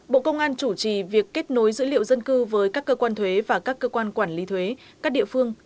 bộ công an chủ trì việc kết nối dữ liệu dân cư với các cơ quan thuế và các cơ quan quản lý thuế các địa phương